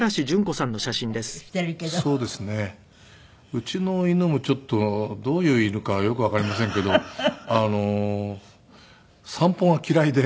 うちの犬もちょっとどういう犬かよくわかりませんけど散歩が嫌いで。